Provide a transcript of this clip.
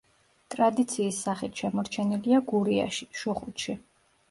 ტრადიციის სახით შემორჩენილია გურიაში, შუხუთში.